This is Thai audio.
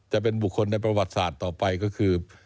จะเป็นบุคคลในประวัติศาสตร์ต่อไปก็คือ